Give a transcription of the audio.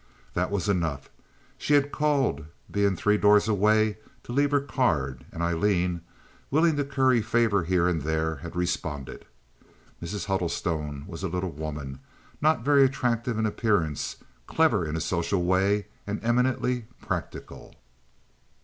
That was enough. She had called, being three doors away, to leave her card; and Aileen, willing to curry favor here and there, had responded. Mrs. Huddlestone was a little woman, not very attractive in appearance, clever in a social way, and eminently practical.